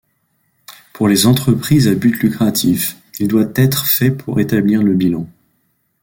Pour les entreprises à but lucratif, il doit être fait pour établir le bilan.